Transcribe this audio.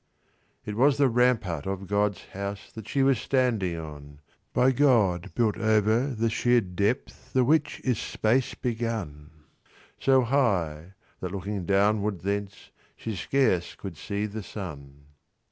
It was the rampart of God's houseThat she was standing on:By God built over the sheer depthThe which is Space begun; So high, that looking downward thenceShe scarce could see the sun.